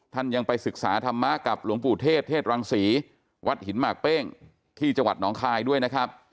ยังไปศึกษาธรรมะกับหลวงปู่เทศเทศรังศรีวัดหินหมากเป้งที่จังหวัดหนองคายด้วยนะครับ